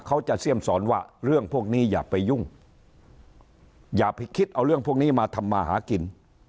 เสี่ยมสอนว่าเรื่องพวกนี้อย่าไปยุ่งอย่าไปคิดเอาเรื่องพวกนี้มาทำมาหากิน